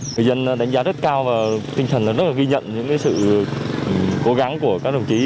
người dân đánh giá rất cao và tinh thần rất ghi nhận những sự cố gắng của các đồng chí